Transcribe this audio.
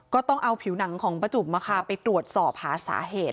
ก็ต้องเอาผิวหนังของประจุ๋มไปตรวจสอบหาสาเหตุ